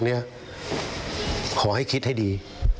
ขอเตือนไว้นะจะค้าหรือจะสมาคมกับคนพวกนี้ขอให้คิดให้ดี